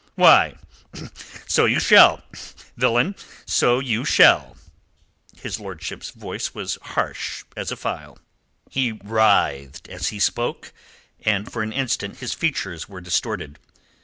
"Why, so you shall, villain; so you shall." His lordship's voice was harsh as a file. He writhed as he spoke, and for an instant his features were distorted.